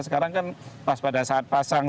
sekarang kan pas pada saat pasang